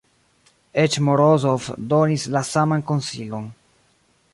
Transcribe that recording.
Eĉ Morozov donis la saman konsilon.